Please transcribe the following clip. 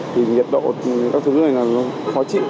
thì nhiệt độ các thứ này nó khó chịu